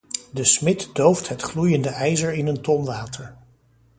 De smid dooft het gloeiende ijzer in een ton water.